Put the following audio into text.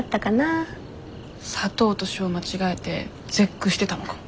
砂糖と塩間違えて絶句してたのかも。